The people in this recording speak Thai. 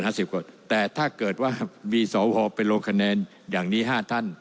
มันเกิดว่ามีส่วนหัวเป็นโรงคะแนนอย่างนี้๕ท่าน